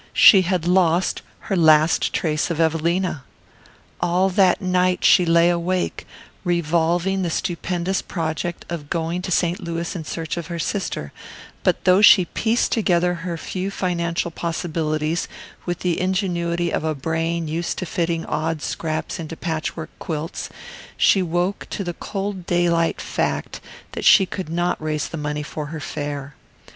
She had lost her last trace of Evelina. All that night she lay awake, revolving the stupendous project of going to St. Louis in search of her sister; but though she pieced together her few financial possibilities with the ingenuity of a brain used to fitting odd scraps into patch work quilts, she woke to the cold daylight fact that she could not raise the money for her fare.